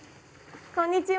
こんにちは。